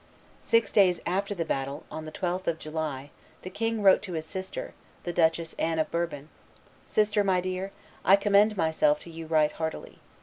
Six days after the battle, on the 12th of July, the king wrote to his sister, the Duchess Anne of Bourbon, "Sister, my dear, I commend myself to you right heartily.